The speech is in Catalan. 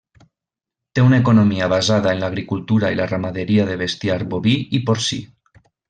Té una economia basada en l'agricultura i la ramaderia de bestiar boví i porcí.